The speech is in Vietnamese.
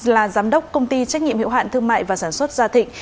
là giám đốc công ty trách nhiệm hiệu hạn thương mại và sản xuất gia thịnh